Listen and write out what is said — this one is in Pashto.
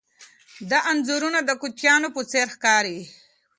دا انځورونه د کوچنیانو په څېر ښکاري.